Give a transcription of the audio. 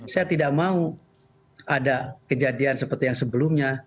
saya tidak mau ada kejadian seperti yang sebelumnya